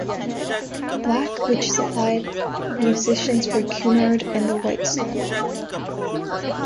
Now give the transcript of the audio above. Black, which supplied musicians for Cunard and the White Star Line.